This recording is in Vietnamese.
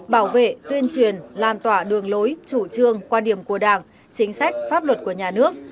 bảo vệ tuyên truyền lan tỏa đường lối chủ trương quan điểm của đảng chính sách pháp luật của nhà nước